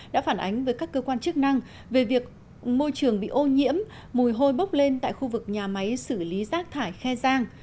đã phản ánh với các cơ quan chức năng về việc môi trường bị ô nhiễm mùi hôi bốc lên tại khu vực nhà máy xử lý rác thải khe giang